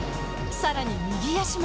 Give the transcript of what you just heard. さらに右足も。